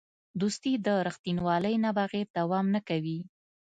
دوستي د رښتینولۍ نه بغیر دوام نه کوي.